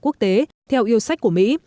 quốc tế theo yêu sách của mỹ